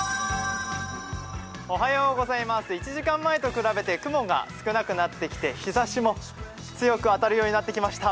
１時間前と比べて雲が少なくなってきて、日ざしも強く当たるようになってきました。